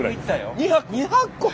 ２００個！？